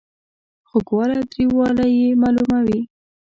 خوږوالی او تریووالی یې معلوموي.